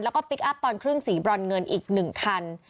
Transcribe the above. แล้วก็พลิกอัพตอนครึ่งสีบรอนเงินอีก๑คัน